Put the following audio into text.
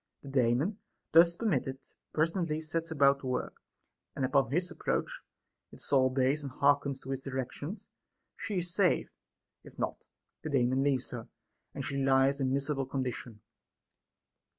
The Daemon, thus permitted, presently sets about the work ; and upon his approach, if the soul obeys and hearkens to his directions, she is saved ; if not, the Daemon leaves her, and she lies in a miserable condition.